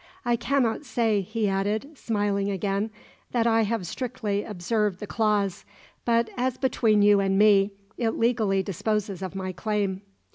I cannot say," he added, smiling again, "that I have strictly observed the clause; but, as between you and me, it legally disposes of my claim."